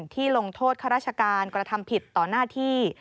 ลงโทษข้าราชการกระทำผิดต่อหน้าที่